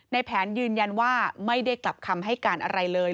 ในแผนยืนยันว่าไม่ได้กลับคำให้การอะไรเลย